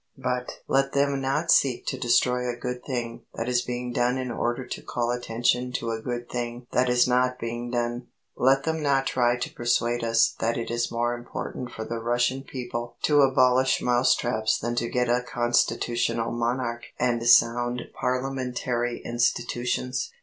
But let them not seek to destroy a good thing that is being done in order to call attention to a good thing that is not being done. Let them not try to persuade us that it is more important for the Russian people to abolish mouse traps than to get a constitutional monarch and sound Parliamentary institutions.